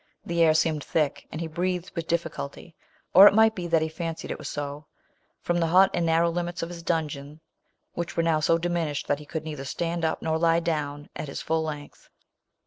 The air seemed thick, and he breathed with difficul ty ; or it might be that he fancied it was so, from the hot and narrow limits of his dungeon, which were now so diminished that he could nei ther stand up nor lie down at his full length.